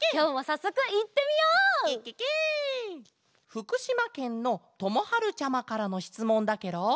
ふくしまけんのともはるちゃまからのしつもんだケロ。